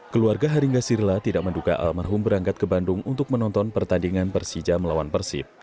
keluarga haringa sirla tidak menduga almarhum berangkat ke bandung untuk menonton pertandingan persija melawan persib